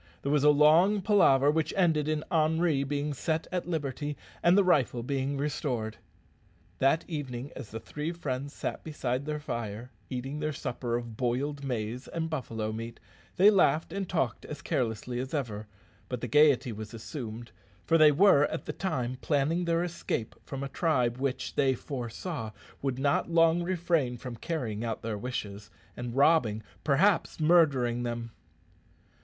There was a long palaver, which ended in Henri being set at liberty and the rifle being restored. That evening, as the three friends sat beside their fire eating their supper of boiled maize and buffalo meat, they laughed and talked as carelessly as ever; but the gaiety was assumed, for they were at the time planning their escape from a tribe which, they foresaw, would not long refrain from carrying out their wishes, and robbing, perhaps murdering them.